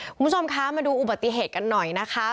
คุณผู้ชมคะมาดูอุบัติเหตุกันหน่อยนะคะ